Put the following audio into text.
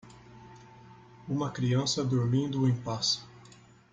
Uma criança dormindo em paz